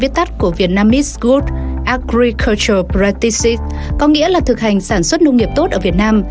viết tắt của vietnamese good agriculture practices có nghĩa là thực hành sản xuất nông nghiệp tốt ở việt nam